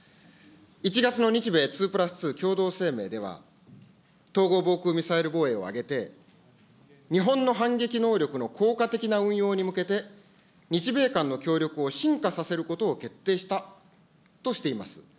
１月の日米２＋２共同声明では、統合防空ミサイル防衛を挙げて、日本の反撃能力の効果的な運用に向けて、日米間の協力を深化させることを決定したとしています。